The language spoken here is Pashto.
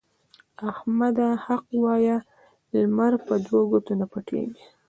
احمده! حق وايه؛ لمر په دوو ګوتو نه پټېږي.